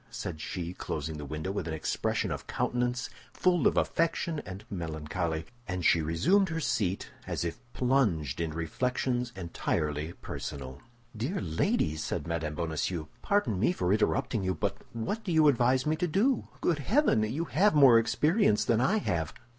said she, closing the window with an expression of countenance full of affection and melancholy. And she resumed her seat, as if plunged in reflections entirely personal. "Dear lady," said Mme. Bonacieux, "pardon me for interrupting you; but what do you advise me to do? Good heaven! You have more experience than I have.